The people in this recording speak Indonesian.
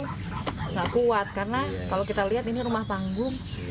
tidak kuat karena kalau kita lihat ini rumah panggung